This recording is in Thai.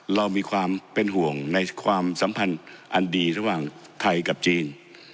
เรามีความเป็นห่วงในความสัมพันธ์อันดีระหว่างไทยกับจีน